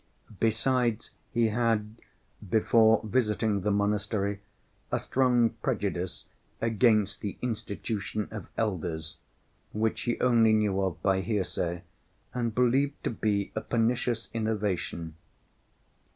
Besides he had, before visiting the monastery, a strong prejudice against the institution of "elders," which he only knew of by hearsay and believed to be a pernicious innovation.